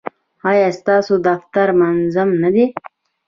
ایا ستاسو دفتر منظم نه دی؟